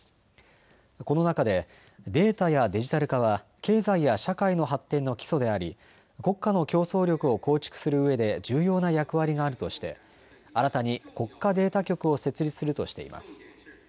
この中でデータやデジタル化は経済や社会の発展の基礎であり国家の競争力を構築するうえで重要な役割があるとして新たに国家データ局を設立するとしています。